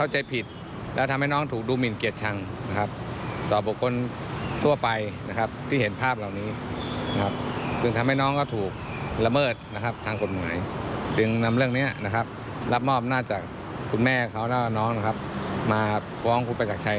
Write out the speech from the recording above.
จากคุณแม่เขาน่าร้านน้องมาฟ้องคุณประจักรชัย